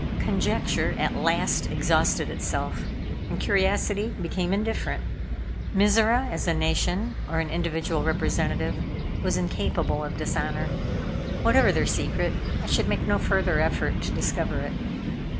Conjecture at last exhausted itself, and curiosity became indifferent. Mizora, as a nation, or an individual representative, was incapable of dishonor. Whatever their secret I should make no farther effort to discover it.